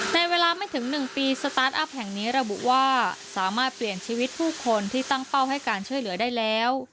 ในเวลาไม่ถึง๑ปีสตาร์ทอัพแห่งนี้ระบุว่าสามารถเปลี่ยนชีวิตผู้คนที่ตั้งเป้าให้การช่วยเหลือได้แล้ว